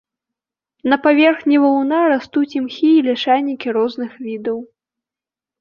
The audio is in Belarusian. На паверхні валуна растуць імхі і лішайнікі розных відаў.